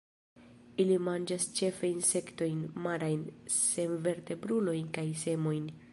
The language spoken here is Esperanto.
Ili manĝas ĉefe insektojn, marajn senvertebrulojn kaj semojn.